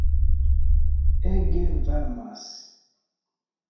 Ege varmas!